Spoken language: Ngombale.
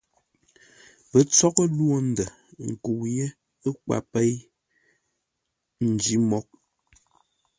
Pə́ tsóghʼə́ lwô ndə̂, nkəu yé kwar péi nj́-mǒghʼ.